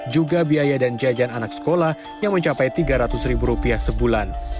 juga biaya dan jajan anak sekolah yang mencapai tiga ratus ribu rupiah sebulan